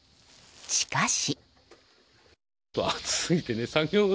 しかし。